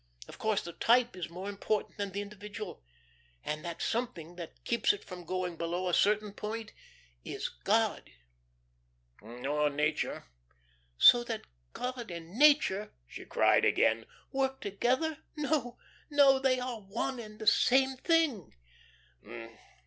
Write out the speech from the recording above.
Of course the type is more important than the individual. And that something that keeps it from going below a certain point is God." "Or nature." "So that God and nature," she cried again, "work together? No, no, they are one and the same thing."